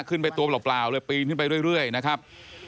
ตัวเปล่าเลยปีนขึ้นไปเรื่อยนะครับ